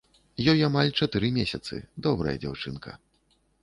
Ёй амаль чатыры месяцы, добрая дзяўчынка.